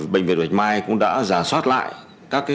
bệnh viện bạch mai cũng đã giáo dục bệnh viện bạch mai